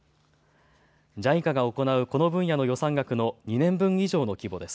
ＪＩＣＡが行うこの分野の予算額の２年分以上の規模です。